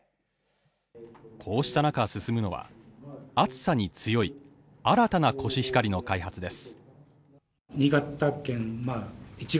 こうした中、進むのは暑さに強い新たなコシヒカリの開発です。